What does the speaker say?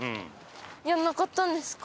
やらなかったんですか？